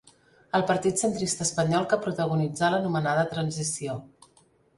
El partit centrista espanyol que protagonitzà l'anomenada transició.